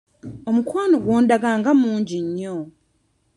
Omukwano gw'ondaga nga mungi nnyo.